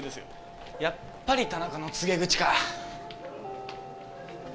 やっぱり田中の告げ口か。